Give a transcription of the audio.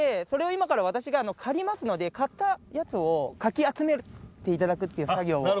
それを今から私が刈りますので、刈ったやつをかき集めていただくっていう作業を。